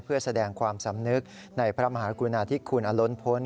เพื่อแสดงความสำนึกในพระมหากรุณาธิคุณอล้นพล